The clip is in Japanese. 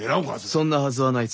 そんなはずはない。